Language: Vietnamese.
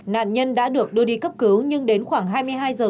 nạn nhân đã được đưa đi cấp cứu nhưng đến khoảng hai mươi hai h